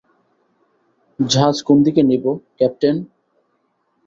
জাহাজ কোনদিকে নেবো, ক্যাপ্টেন?